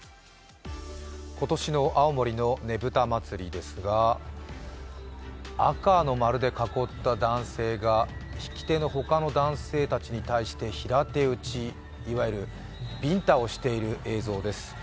今年の青森のねぶた祭ですが、赤の丸で囲った男性が曳き手のほかの男性たちに対して平手打ち、いわゆるビンタをしている映像です。